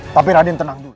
tapi raden tenang dulu